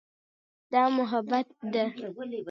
دا محبت ده.